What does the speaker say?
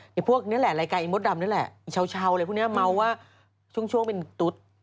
ในพวกนี้แหละรายการอินโบสถ์ดำนี่แหละชาวเลยพวกนี้เมาว์ว่าช่วงเป็นตุ๊ด